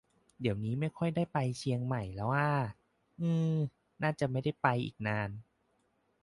เดี่ยวนี้ไม่ค่อยได้ไปเชียงใหม่แล้วอ่า ฮือ น่าจะไม่ได้ไปอีกนาน